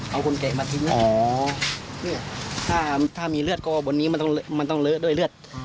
เอาคนเก่งมาทิ้งอ๋อถ้ามีเลือดก็บนนี้มันต้องเลอะด้วยเลือด